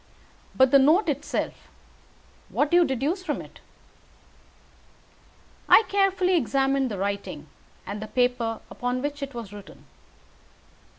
But the note itself what do you deduce from it?" I carefully examined the writing, and the paper upon which it was written.